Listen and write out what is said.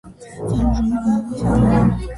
წარმოშობით მაღალი სამღვდელოების წრიდან.